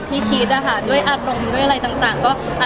อ๋อไม่ได้ถุยจริงค่ะ